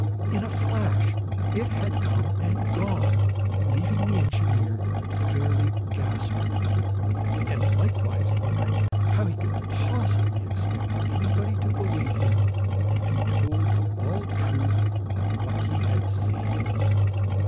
In a flash it had come and gone, leaving the engineer fairly gasping and likewise wondering how he could possibly expect anybody to believe him if he told the bald truth of what he had seen.